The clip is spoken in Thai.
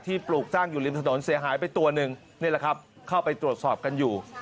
ปลูกจ้างอยู่ริมถนนเสียหายไปตัวหนึ่งนี่แหละครับเข้าไปตรวจสอบกันอยู่